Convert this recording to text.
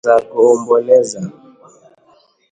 za kuomboleza